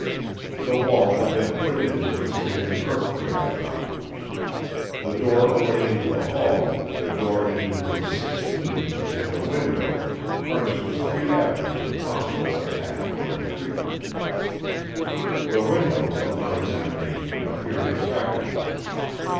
The wall had been put in to withstand an earthquake shock. The door opening into the hall, the door into Room 16, and the window furnished the three avenues of possible attack or retreat. The window upon examination appeared impracticable.